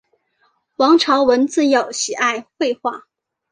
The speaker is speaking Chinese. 王朝闻自幼喜爱绘画。